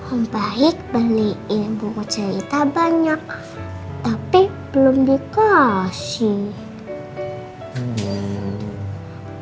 om baik beliin buku cerita banyak tapi belum dikasih